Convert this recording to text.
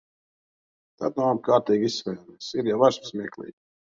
Tad nu abi kārtīgi izsmējāmies, ir jau ar’ smieklīgi.